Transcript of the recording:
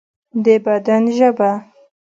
د بدن ژبه